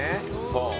そう。